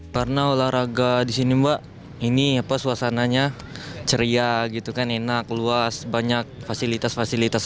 karena olahraga di sini mbak ini apa suasananya ceria gitu kan enak luas banyak fasilitas fasilitas